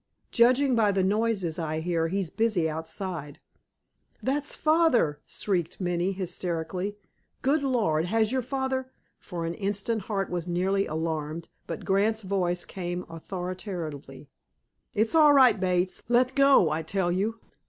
Judging by the noises I hear, he's busy outside." "That's father!" shrieked Minnie hysterically. "Good Lord! Has your father—" For an instant, Hart was nearly alarmed, but Grant's voice came authoritatively: "It's all right, Bates. Let go, I tell you!"